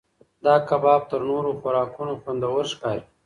دا کباب تر نورو خوراکونو خوندور ښکاري.